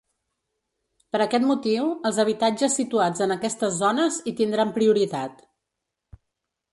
Per aquest motiu, els habitatges situats en aquestes zones hi tindran prioritat.